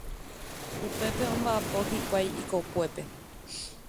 Upépe omba'apo hikuái ikokuépe.